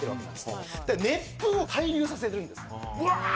熱風を対流させるんです。